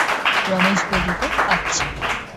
রমেশ বলিল, আচ্ছা।